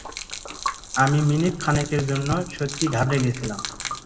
আমি মিনিট খানেকের জন্য সত্যিই ঘাবড়ে গেছিলাম।